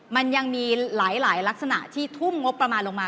มันยังมีหลายลักษณะที่ทุ่มงบประมาณลงมา